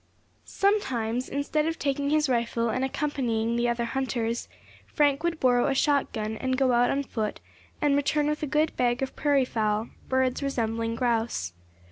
SOMETIMES, instead of taking his rifle and accompanying the other hunters, Frank would borrow a shot gun, and go out on foot and return with a good bag of prairie fowl, birds resembling grouse.